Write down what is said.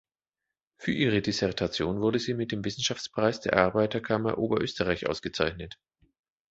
Für ihre Dissertation wurde sie mit dem Wissenschaftspreis der Arbeiterkammer Oberösterreich ausgezeichnet.